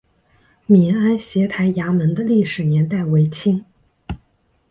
闽安协台衙门的历史年代为清。